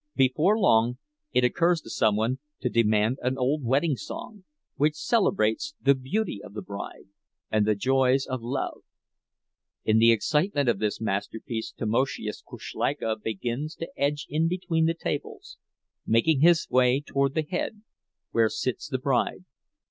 Before long it occurs to some one to demand an old wedding song, which celebrates the beauty of the bride and the joys of love. In the excitement of this masterpiece Tamoszius Kuszleika begins to edge in between the tables, making his way toward the head, where sits the bride.